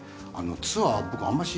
ツアー僕あんまし